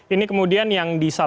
ini kemudian yang disalahkan bagi klub